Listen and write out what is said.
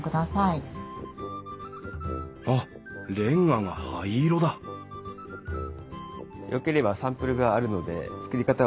あっレンガが灰色だよければサンプルがあるので作り方を説明しましょうか？